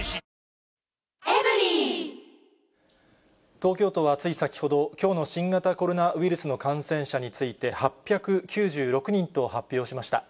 東京都はつい先ほど、きょうの新型コロナウイルスの感染者について、８９６人と発表しました。